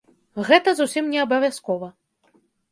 Гэта зусім не абавязкова.